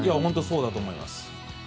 そうだと思います。